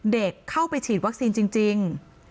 เด็กเข้าไปฉีดวัคซีนจริง